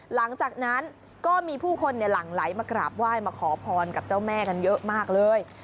หลังจากนั้นก็มีผู้คนหลั่งไหลมากราบไหว้มาขอพรกับเจ้าแม่กันเยอะมากเลย